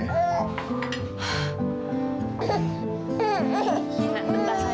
iya bentar sayang